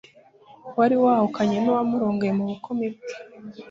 Wari wahukanye nuwamurongoye mu bukumi bwe